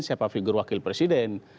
siapa figur wakil presiden